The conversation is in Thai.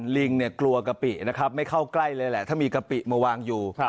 ลิงเนี่ยกลัวกะปินะครับไม่เข้าใกล้เลยแหละถ้ามีกะปิมาวางอยู่